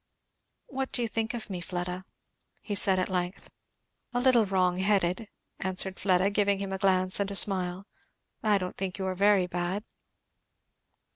"What do you think of me, Fleda?" he said at length. "A little wrong headed," answered Fleda, giving him a glance and a smile. "I don't think you are very bad."